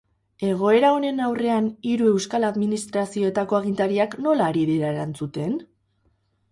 Egoera honen aurrean hiru euskal administrazioetako agintariak nola ari dira erantzuten?